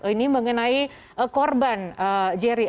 ini mengenai korban jerry